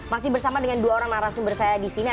masih bersama dengan dua orang narasumber saya di sini